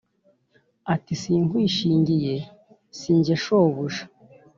Ati: "Sinkwishingiye si jye shobuja,